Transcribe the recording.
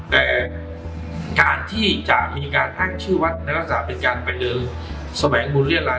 แต่การที่จะมีการแอ้งชื่อวัดแล้วก็จะเป็นการไปเนินแสบงบุญเรียนร้าย